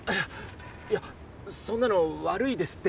いやそんなの悪いですって。